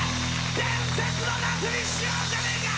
伝説の夏にしようじゃねえか！